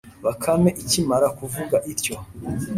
bakame ikimara kuvuga ityo,